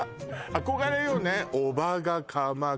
憧れよね